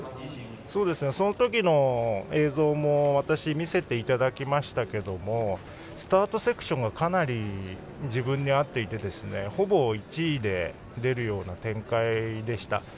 そのときの映像も私、見せていただきましたけどもスタートセクションがかなり自分に合っていてほぼ１位で出るような展開でした。